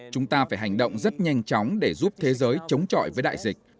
chúng ta phải hành động rất nhanh chóng để giúp thế giới chống chọi với đại dịch